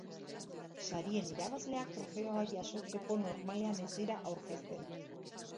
Sarien irabazleak trofeoa jasotzeko normalean ez dira aurkezten.